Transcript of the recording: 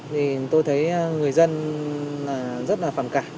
thì tôi thấy người dân rất là phản cảm